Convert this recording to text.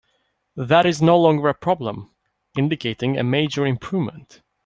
That is no longer a problem, indicating a major improvement.